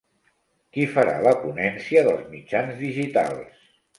Qui farà la ponència dels mitjans digitals?